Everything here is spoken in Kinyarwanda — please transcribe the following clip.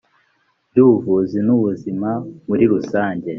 by ubuvuzi n ubuzima muri rusange